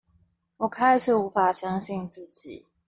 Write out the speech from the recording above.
我開始無法相信自己